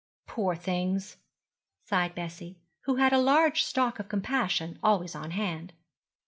'Poor things!' sighed Bessie, who had a large stock of compassion always on hand.